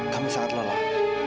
kami sangat lelah